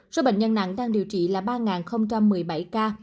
số bệnh nhân nặng đang điều trị là ba một mươi bảy ca